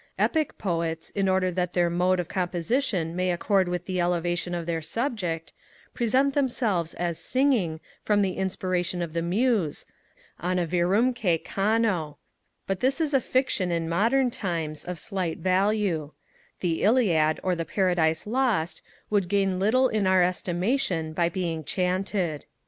Epic Poets, in order that their mode of composition may accord with the elevation of their subject, represent themselves as singing from the inspiration of the Muse, 'Anna virumque cano;' but this is a fiction, in modern times, of slight value: the Iliad or the Paradise Lost would gain little in our estimation by being chanted.